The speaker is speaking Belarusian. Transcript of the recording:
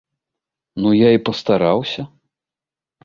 Ну я і пастараўся.